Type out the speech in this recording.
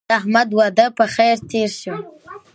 د احمد واده په خیر تېر شو.